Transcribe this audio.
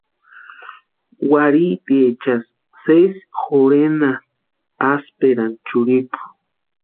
Warhitiechasï sési jorhenati asïperani churhipu.